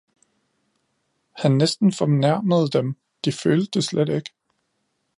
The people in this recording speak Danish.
Han næsten fornærmede dem — de følte det slet ikke.